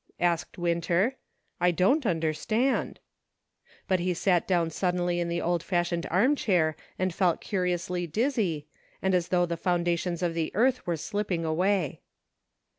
asked Winter ;" I don't understand ;" but he sat down suddenly in the old fashioned arm chair and felt curiously dizzy, and as though the foundations of the earth were slipping away.